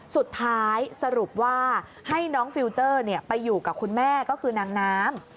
สรุปว่าให้น้องฟิลเจอร์ไปอยู่กับคุณแม่ก็คือนางน้ำ